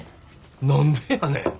何でやねん。